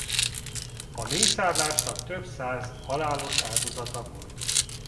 A mészárlásnak több száz halálos áldozata volt.